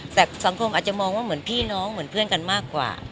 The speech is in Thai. แต่สังคมอาจจะมองว่าเหมือนพี่น้องเหมือนเพื่อนกันมากกว่า